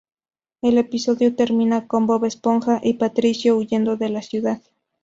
El episodio termina con Bob esponja y Patricio huyendo de la ciudad.